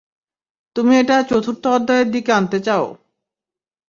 তুমি এটা চতুর্থ অধ্যায়ের দিকে আনতে চাও।